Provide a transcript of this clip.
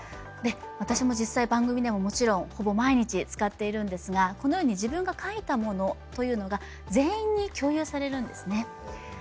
私も実際番組でももちろんほぼ毎日使っているんですがこのように自分が書いたものというのが全員に共有されるんですね。